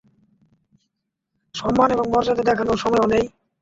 সম্মান এবং মর্যাদা দেখানোর সময়ও নেই।